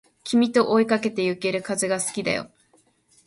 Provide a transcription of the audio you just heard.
君と追いかけてゆける風が好きだよ